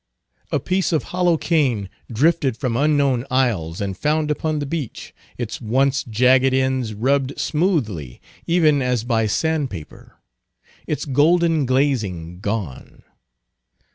A piece of hollow cane, drifted from unknown isles, and found upon the beach, its once jagged ends rubbed smoothly even as by sand paper; its golden glazing gone.